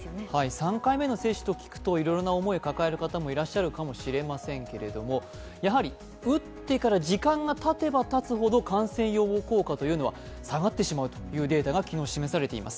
３回目の接種と聞くと、いろいろな思いを抱える人もいるかもしれませんけれどもやはり打ってから時間がたてばたつほど感染予防効果というのは下がってしまうというデータが昨日示されています。